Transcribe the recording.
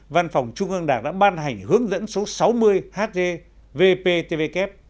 văn phòng trung ương đảng đã ban hành hướng dẫn số sáu mươi hd vptvk